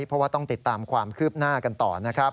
เพราะว่าต้องติดตามความคืบหน้ากันต่อนะครับ